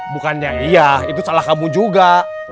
bukannya iya itu salah kamu juga